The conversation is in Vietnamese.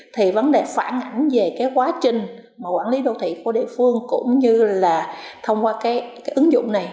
thì vấn đề phản ảnh về cái quá trình mà quản lý đô thị của địa phương cũng như là thông qua cái ứng dụng này